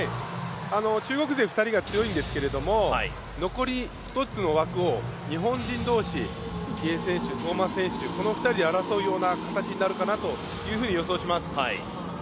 中国勢２人が強いんですけれども残り１つの枠を日本人同士、池江選手、相馬選手、この２人で争うような形になるかなと予想します。